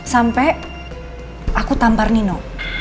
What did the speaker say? sampai aku tampar nino